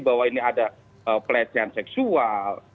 bahwa ini ada pelecehan seksual